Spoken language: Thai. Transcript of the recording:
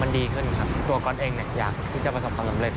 มันดีขึ้นครับตัวก๊อตเองเนี่ยอยากที่จะประสบความสำเร็จ